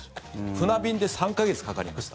船便で３か月かかりました。